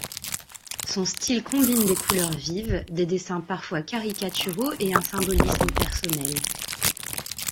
Son style combine des couleurs vives, des dessins parfois caricaturaux et un symbolisme personnel.